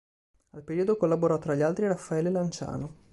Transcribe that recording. Al periodico collaborò tra gli altri Raffaele Lanciano.